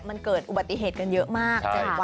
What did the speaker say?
มันเกิดอุบัติเหตุกันเยอะมาก